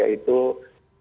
baik itu pasar pasar